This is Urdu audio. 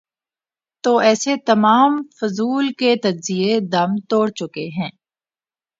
تو ایسے تمام فضول کے تجزیے دم توڑ چکے ہیں۔